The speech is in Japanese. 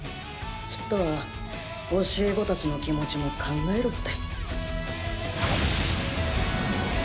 ちっとは教え子たちの気持ちも考えろって。